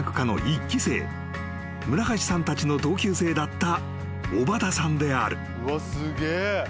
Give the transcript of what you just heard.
［村橋さんたちの同級生だった小畑さんである］